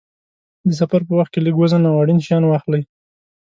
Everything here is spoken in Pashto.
د سفر په وخت کې لږ وزن او اړین شیان واخلئ.